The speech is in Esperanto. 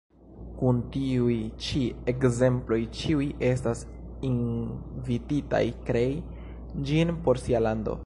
Kun tiuj ĉi ekzemploj ĉiuj estas invititaj krei ĝin por sia lando.